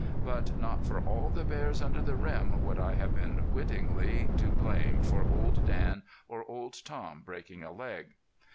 But not for all the bears under the rim would I have been wittingly to blame for Old Dan or Old Tom breaking a leg.